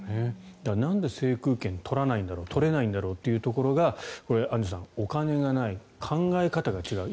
なんで制空権を取らないんだろう取れないんだろうってところがアンジュさんお金がない、考え方が違う